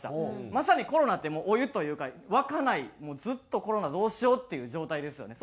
まさにコロナってお湯というか沸かないずっと「コロナどうしよう」っていう状態ですよね。